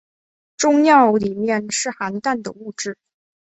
终尿里面是含氮的物质。